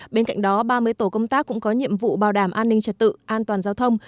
bên cạnh đó ba mươi tổ công tác cũng có nhiệm vụ bảo đảm an ninh trật tự an toàn giao thông